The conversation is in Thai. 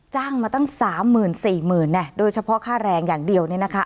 จ้างมาตั้ง๓๔๐๐๐เนี่ยโดยเฉพาะค่าแรงอย่างเดียวเนี่ยนะคะ